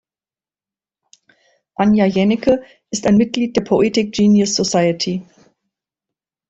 Anja Jaenicke ist ein Mitglied der Poetic Genius Society.